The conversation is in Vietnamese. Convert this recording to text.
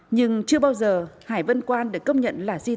nhưng chưa bao giờ hải vân quan được công nhận là di sản